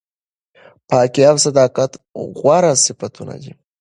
پاکي او صداقت غوره صفتونه دي.